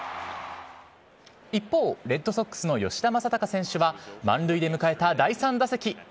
一方、レッドソックスの吉田正尚選手は、満塁で迎えた第３打席。